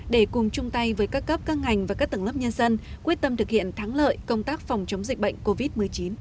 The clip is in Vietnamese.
để cùng chung tay với các cấp các ngành và các tầng lớp nhân dân quyết tâm thực hiện thắng lợi công tác phòng chống dịch bệnh covid một mươi chín